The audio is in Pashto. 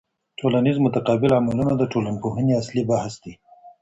ټولنیز متقابل عملونه د ټولنپوهني اصلي بحث دی.